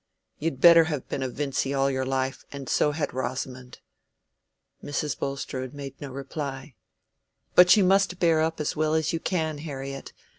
You'd better have been a Vincy all your life, and so had Rosamond." Mrs. Bulstrode made no reply. "But you must bear up as well as you can, Harriet.